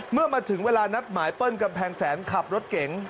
เมื่อมาถึงเวลานัดหมายเปิ้ลกำแพงแสนขับรถเก๋ง